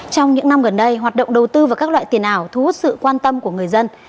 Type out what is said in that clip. trong những năm gần đây hoạt động đầu tư và các loại tiền ảo thu hút sự quan tâm của người dân